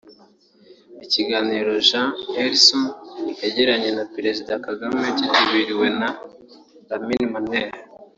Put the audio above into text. Ikiganiro Jan Eliasson yagiranye na Perezida Kagame cyitabiriwe na Lamin Manneh